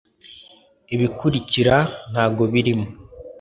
ibikurikira ntagobirimo.